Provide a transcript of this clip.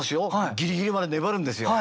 ギリギリまで粘るんですよ。